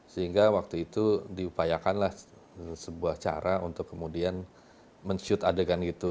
sehingga waktu itu diupayakanlah sebuah cara untuk kemudian men shoote adegan itu